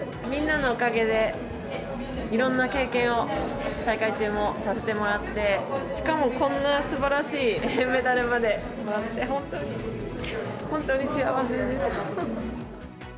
みんなのおかげでいろんな経験を、大会中もさせてもらって、しかもこんなすばらしいメダルまでもらって、本当に、本当に幸せです。